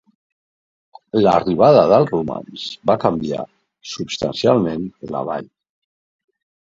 L'arribada dels romans va canviar substancialment la vall.